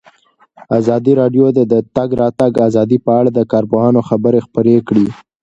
ازادي راډیو د د تګ راتګ ازادي په اړه د کارپوهانو خبرې خپرې کړي.